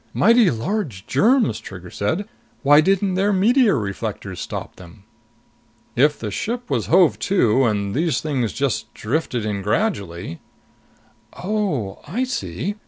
"Mighty large germs!" Trigger said. "Why didn't their meteor reflectors stop them?" "If the ship was hove to and these things just drifted in gradually " "Oh, I see.